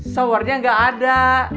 showernya gak ada